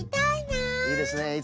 いいですね。